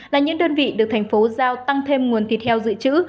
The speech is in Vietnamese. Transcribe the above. là những đơn vị được thành phố giao tăng thêm nguồn thịt heo dự trữ